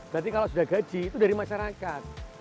berarti kalau sudah gaji itu dari masyarakat